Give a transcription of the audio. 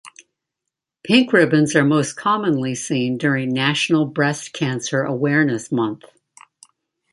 Pink ribbons are most commonly seen during National Breast Cancer Awareness Month.